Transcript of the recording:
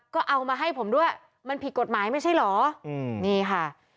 ก็เอามาให้ผมด้วยมันผิดกฎหมายไม่ใช่เหรออืมนี่ค่ะ